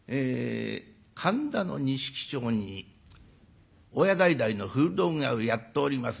神田の錦町に親代々の古道具屋をやっております